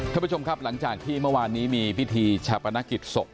ท่านผู้ชมครับหลังจากที่เมื่อวานนี้มีพิธีชาปนกิจศพ